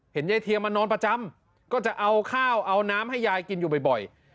ยายเทียมมานอนประจำก็จะเอาข้าวเอาน้ำให้ยายกินอยู่บ่อย